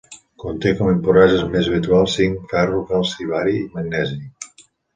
Conté com a impureses més habituals zinc, ferro, calci, bari i magnesi.